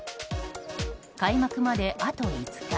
開幕まであと５日。